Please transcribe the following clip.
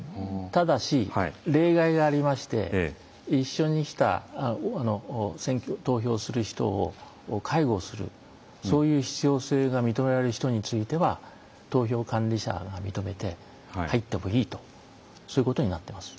ただし例外がありまして一緒に来た投票する人を介護するそういう必要性が認められる人については投票管理者が認めて入ってもいいとそういうことになってます。